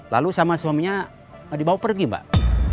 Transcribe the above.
lalu sama suaminya dibawa pergi mbak